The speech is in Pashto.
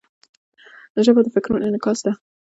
ژبه د فکرونو انعکاس ده.